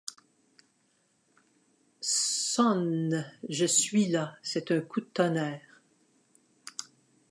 Son Je suis là, c’est un coup de tonnerre.